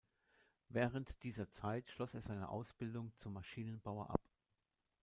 Während dieser Zeit schloss er seine Ausbildung zum Maschinenbauer ab.